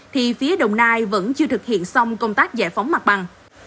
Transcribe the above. thì phía đồng nai vẫn chưa thực hiện xong công tác giải phóng mặt bằng